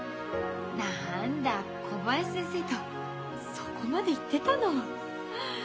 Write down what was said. なんだ小林先生とそこまでいってたの。